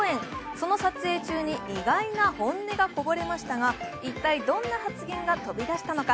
その撮影中に意外な本音がこぼれましたが一体どんな発言が飛び出したのか。